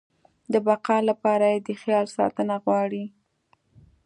د بقا لپاره يې د خیال ساتنه غواړي.